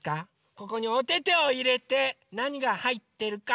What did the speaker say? ここにおててをいれてなにがはいってるかあててください。